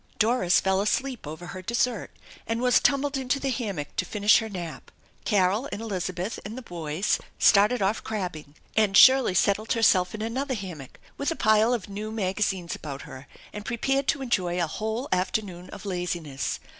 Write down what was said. Doris fell asleep over her dessert and was tumbled into the hammock to finish her nap. Carol and Elizabeth and the boys started off crabbing, and Shirley settled herself in another hammock with a pile of rew magazines about her and pre pared to enjoy a whole afternoon of laziness.